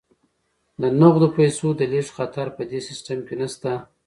د نغدو پيسو د لیږد خطر په دې سیستم کې نشته.